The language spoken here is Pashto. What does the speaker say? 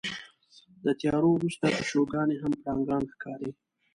د تیارو وروسته پیشوګانې هم پړانګان ښکاري.